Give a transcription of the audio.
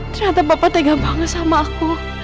ternyata bapak tega banget sama aku